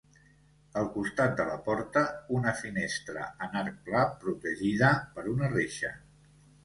Al costat de la porta, una finestra en arc pla protegida per una reixa.